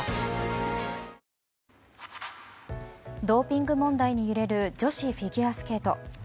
ドーピング問題に揺れる女子フィギュアスケート。